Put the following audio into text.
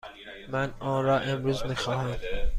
من آن را امروز می خواهم.